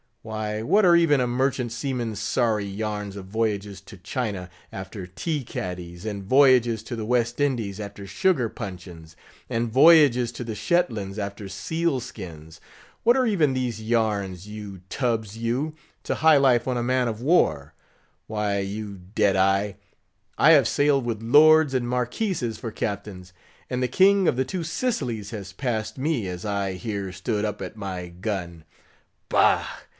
_' Why, what are even a merchant seaman's sorry yarns of voyages to China after tea caddies, and voyages to the West Indies after sugar puncheons, and voyages to the Shetlands after seal skins—what are even these yarns, you Tubbs you! to high life in a man of war? Why, you dead eye! I have sailed with lords and marquises for captains; and the King of the Two Sicilies has passed me, as I here stood up at my gun. Bah!